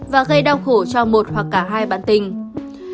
và gây đau khổ cho một hoặc cả hai bạn tình